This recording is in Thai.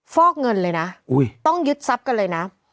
ฟอกเงินเลยนะต้องยึดทรัพย์กันเลยนะ